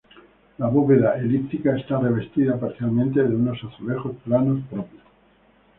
La bóveda elíptica está revestida parcialmente de unos azulejos planos propios.